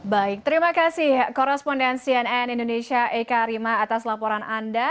baik terima kasih koresponden cnn indonesia eka rima atas laporan anda